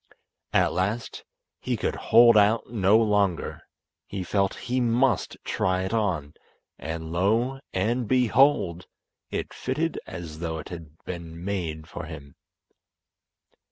At last he could hold out no longer. He felt he must try it on, and lo! and behold, it fitted as though it had been made for him.